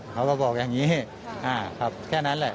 เขาก็บอกอย่างนี้ครับแค่นั้นแหละ